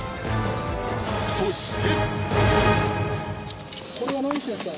そして。